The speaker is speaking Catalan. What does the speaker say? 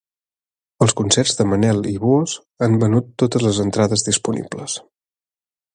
Els concerts de Manel i Buhos han venut totes les entrades disponibles.